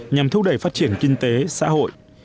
nhằm thúc đẩy phát triển kinh tế xã hội